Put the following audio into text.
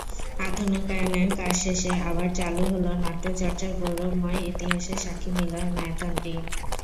আধুনিকায়নের কাজ শেষে আবার চালু হলো নাট্যচর্চার গৌরবময় ইতিহাসের সাক্ষী মিলনায়তনটি।